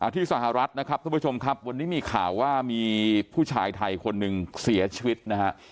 ที่สหรัฐนะครับทุกผู้ชมครับวันนี้มีข่าวว่ามีผู้ชายไทยคนหนึ่งเสียชีวิตนะฮะ